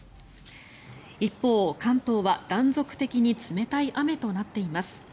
一方、関東は断続的に冷たい雨となっています。